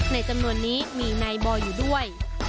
ในจำนวนนี้มีนายบอยอยู่ด้วย